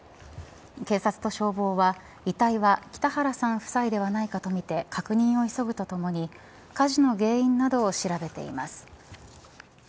警察と消防は遺体が北原さん夫妻ではないかとみて確認を急ぐとともに火事の原因などを調べています。